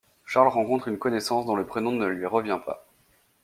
Charles rencontre une connaissance dont le prénom ne lui revient pas.